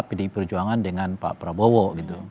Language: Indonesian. pdi perjuangan dengan pak prabowo gitu